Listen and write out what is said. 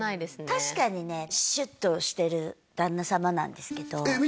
確かにねシュッとしてる旦那様なんですけどえっ